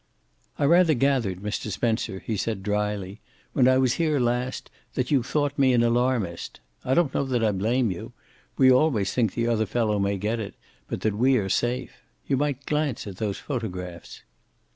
"I rather gathered, Mr. Spencer," he said dryly, "when I was here last that you thought me an alarmist. I don't know that I blame you. We always think the other fellow may get it, but that we are safe. You might glance at those photographs."